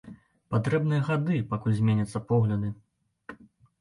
Патрэбныя гады, пакуль зменяцца погляды.